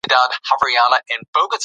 که زراعت ته پام وکړو نو غلې نه کمیږي.